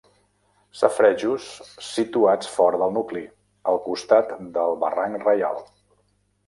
Safaretjos situats fora del nucli, al costat del barranc Reial.